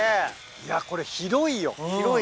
いやこれ広いよ。